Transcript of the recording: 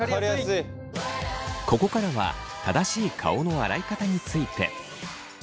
ここからは正しい顔の洗い方について。